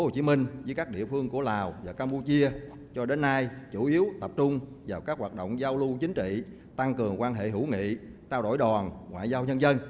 quang nghị hợp tác tp hcm với các địa phương của lào và campuchia cho đến nay chủ yếu tập trung vào các hoạt động giao lưu chính trị tăng cường quan hệ hữu nghị trao đổi đòn ngoại giao nhân dân